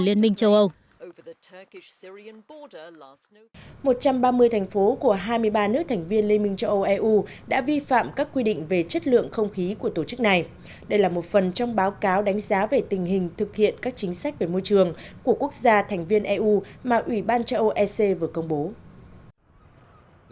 liên minh châu âu eu đã vi phạm các quy định về chất lượng không khí của tổ chức này đây là một phần trong báo cáo đánh giá về tình hình thực hiện các chính sách về môi trường của quốc gia thành viên eu mà ủy ban châu âu ec vừa công bố